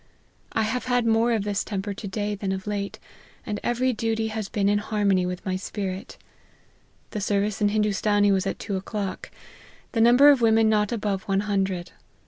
I have had more of this temper to day than of late, and every duty has been in harmony with my spirit. The service in Hindoostanee was at two o'clock. The number of women not above one hundred.